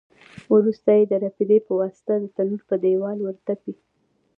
وروسته یې د رپېدې په واسطه د تنور په دېوال ورتپي.